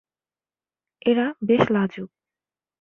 এরা বেশ লাজুক।